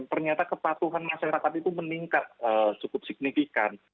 ternyata kepatuhan masyarakat itu meningkat cukup signifikan